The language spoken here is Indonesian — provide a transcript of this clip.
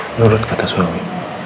menurut kata suami